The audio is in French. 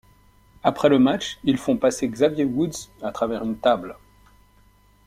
Après le match, ils font passer Xavier Woods à travers une table.